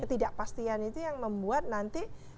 ketidakpastian itu yang membuat nanti